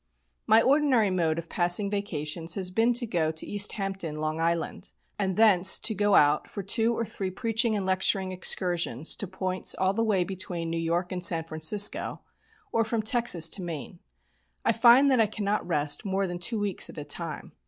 '" My ordinary mode of passing vacations has been to go to East Hampton, Long Island, and thence to go out for two or three preaching and lecturing excursions to points all the way between New York and San Francisco, or from Texas to Maine. I find that I cannot rest more than two weeks at a time.